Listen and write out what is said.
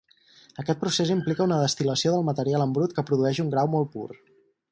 Aquest procés implica una destil·lació del material en brut que produeix un grau molt pur.